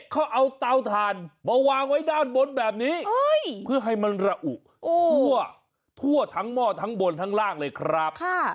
เขาเอาเตาถ่านมาวางไว้ด้านบนแบบนี้เพื่อให้มันระอุทั่วทั้งหม้อทั้งบนทั้งล่างเลยครับ